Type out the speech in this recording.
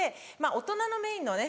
大人のメインのね